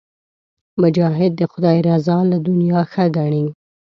مجاهد د خدای رضا له دنیا ښه ګڼي.